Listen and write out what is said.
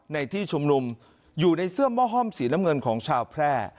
ในที่ชุมนุมอยู่ในเสื้อหม้อห้อมสีน้ำเงินของชาวแพร่